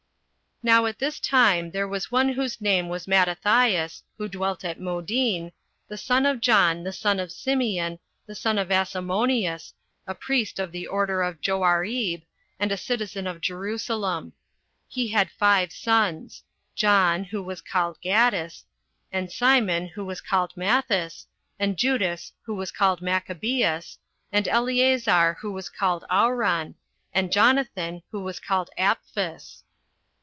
1. Now at this time there was one whose name was Mattathias, who dwelt at Modin, the son of John, the son of Simeon, the son of Asamoneus, a priest of the order of Joarib, and a citizen of Jerusalem. He had five sons; John, who was called Gaddis, and Simon, who was called Matthes, and Judas, who was called Maccabeus, 19 and Eleazar, who was called Auran, and Jonathan, who was called Apphus.